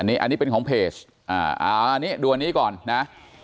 อันนี้เป็นของเพจดูอันนี้ก่อนนะ